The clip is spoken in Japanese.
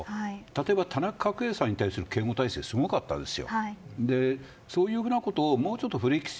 例えば田中角栄さんに対する警護態勢、すごかったです。